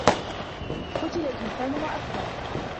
قُتِلَ الإِنسانُ ما أَكفَرَهُ